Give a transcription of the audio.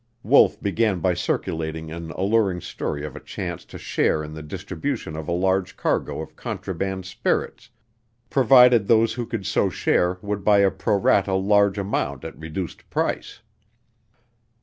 Wolf began by circulating an alluring story of a chance to share in the distribution of a large cargo of contraband spirits, provided those who could so share would buy a pro rata large amount at reduced price.